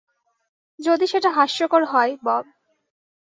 যদি সেটা হাস্যকর হয়, বব।